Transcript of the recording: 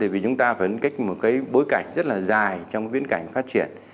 vì chúng ta vẫn có một cái bối cảnh rất là dài trong cái biến cảnh phát triển